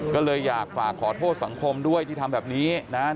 ก็เลยอยากฝากขอโทษสังคมด้วยที่ทำแบบนี้นะครับ